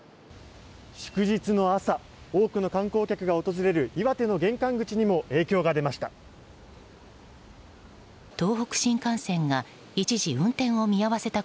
祝日の朝多くの観光客が訪れる岩手の玄関口にも影響が出ました。